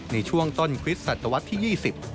ในช่วงต้นคริสต์ศัตรวัสตร์ที่๒๐